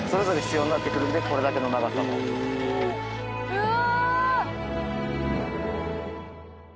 うわ！